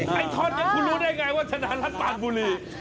ไอ้ท่อนคุณรู้ได้อย่างไรว่าฉันรับปาลบุรี